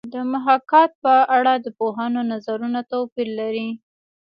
د محاکات په اړه د پوهانو نظرونه توپیر لري